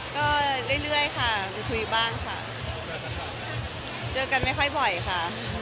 ก็เรื่อยค่ะคุยบ้างค่ะเจอกันไม่ค่อยบ่อยค่ะ